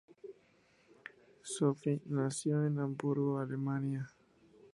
Sophie nació en Hamburgo, Alemania.